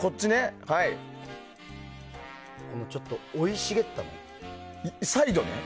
ちょっと生い茂ったよね。